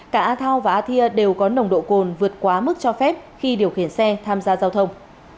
cả a thao và a thia đều có nồng độ cồn vượt quá mức cho phép khi điều khiển xe tham gia giao thông